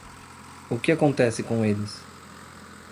O que acontece com eles?